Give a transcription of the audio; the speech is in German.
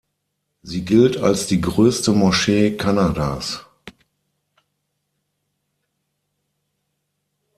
Sie gilt als die größte Moschee Kanadas.